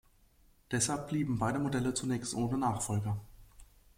Deshalb blieben beide Modelle zunächst ohne Nachfolger.